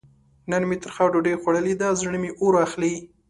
نن مې ترخه ډوډۍ خوړلې ده؛ زړه مې اور اخلي.